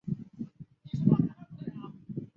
多齿安蛛为栉足蛛科安蛛属的动物。